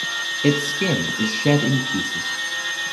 Its skin is shed in pieces.